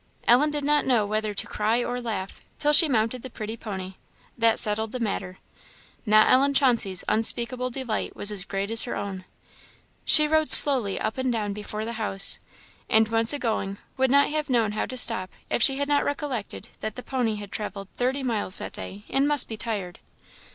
Ellen did not know whether to cry or laugh till she mounted the pretty pony; that settled the matter. Not Ellen Chauncey's unspeakable delight was as great as her own. She rode slowly up and down before the house, and once a going would not have known how to stop if she had not recollected that the pony had travelled thirty miles that day, and must be tired.